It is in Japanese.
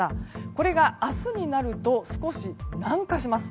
これが明日になると少し南下します。